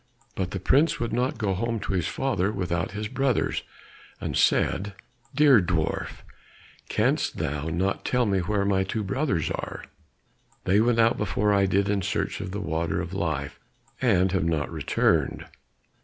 But the prince would not go home to his father without his brothers, and said, "Dear dwarf, canst thou not tell me where my two brothers are? They went out before I did in search of the water of life, and have not returned."